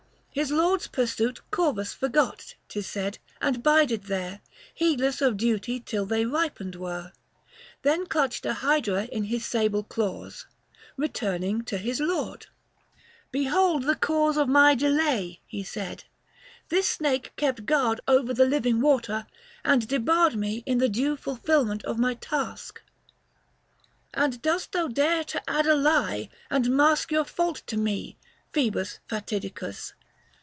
His lord's pursuit 260 Corvus forgot, 'tis said, and bided there Heedless of duty till they ripened were : Then clutched a hydra in his sable claws Keturning to his lord, " Behold the cause Of my delay," he said ; "this snake kept guard 265 Over the living water and debarred Me in the due fulfilment of my task." " And dost thou dare to add a lie, and mask Your fault to me, Phoebus Fatidicus